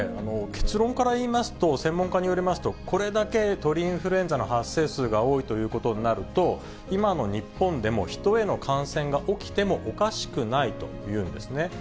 結論から言いますと、専門家によりますと、これだけ鳥インフルエンザの発生数が多いということになると、今の日本でもヒトへの感染が起きてもおかしくないというんですね。